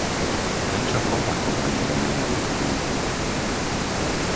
Prečo opakovane robíme Rusku ústupky?